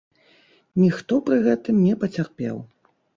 Ніхто пры гэтым не пацярпеў.